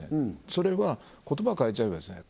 それは言葉を変えちゃえばですね